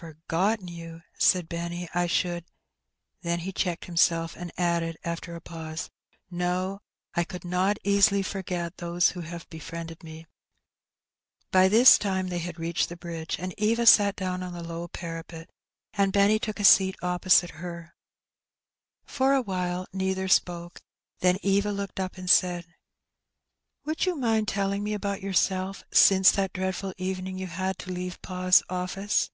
" Forgotten you !" said Benny. " I should ^" Then he checked himself, and added, after a pause, " No, I could not easily forget those who have befriended me." By this time they had reached the bridge, and Eva sat down on the low parapet, and Benny took a seat The Question Settled. 271 opposite her. For awhile neither spoke^ then Eva looked up and said — "Would you mind telling me about yourself since that dreadful evening you had to leave pa's oflSce?''